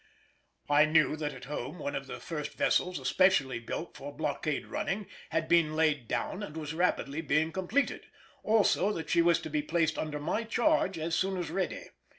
I knew that at home one of the first vessels specially built for blockade running had been laid down and was rapidly being completed, also that she was to be placed under my charge as soon as ready.